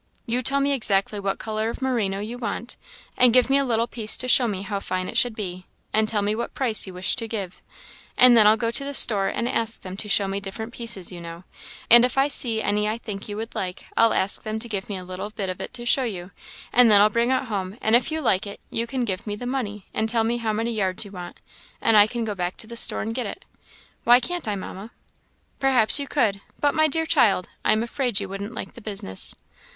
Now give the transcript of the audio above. You tell me exactly what colour of merino you want, and give me a little piece to show me how fine it should be, and tell me what price you wish to give, and then I'll go to the store and ask them to show me different pieces, you know, and if I see any I think you would like, I'll ask them to give me a little bit of it to show you; and then I'll bring it home, and if you like it, you can give me the money, and tell me how many yards you want, and I can go back to the store and get it. Why can't I, Mamma?" "Perhaps you could; but my dear child, I am afraid you wouldn't like the business."